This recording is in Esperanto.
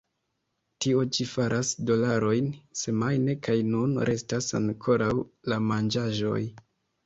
Tio ĉi faras dolarojn semajne, kaj nun restas ankoraŭ la manĝaĵoj.